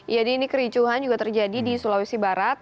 jadi ini kericuhan juga terjadi di sulawesi barat